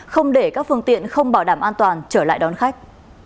không để các phương tiện không bảo đảm an toàn trở lại đón khách